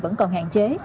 vẫn còn hạn chế